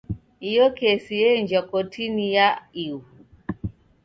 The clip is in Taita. Iyo kesi yeenjwa kotinyi ya ighu.